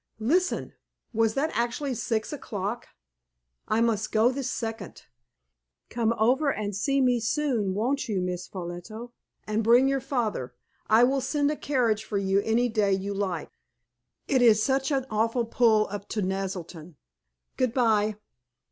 Listen. Was that actually six o'clock? I must go this second. Come over and see me soon, won't you, Miss Ffolliot, and bring your father? I will send a carriage for you any day you like. It is such an awful pull up to Naselton. Goodbye."